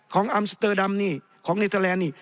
อัมสเตอร์ดัมนี่ของเนเทอร์แลนด์นี่